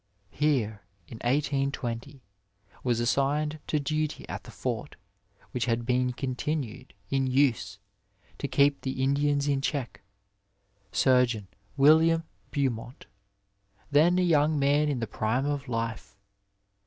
Here, in 1820, was assigned to duty at the fort, which had been continued in use to keep the Indians in check. Surgeon William Beaumont, then a young man in the prime of life.